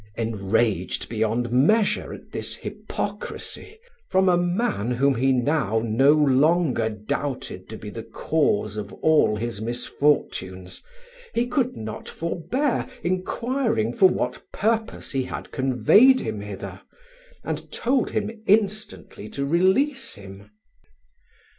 Enraged beyond measure at this hypocrisy, from a man whom he now no longer doubted to be the cause of all his misfortunes, he could not forbear inquiring for what purpose he had conveyed him hither, and told him instantly to release him.